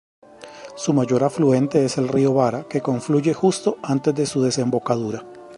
Su mayor afluente es el río Vara que confluye justo antes de su desembocadura.